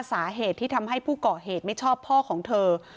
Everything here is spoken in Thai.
สาเหตุที่ทำให้ผู้ก่อเหตุไม่ชอบพ่อของเธอ